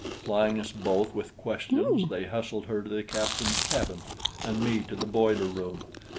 Plying us both with questions they hustled her to the captain's cabin and me to the boiler room.